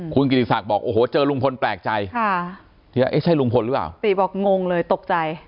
คุณกิติศักดิ์บอกโอ้โหเจอลุงพลแปลกใจค่ะที่ว่าเอ๊ะใช่ลุงพลหรือเปล่าตีบอกงงเลยตกใจ